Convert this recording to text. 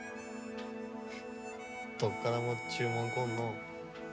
どこからも注文来んの。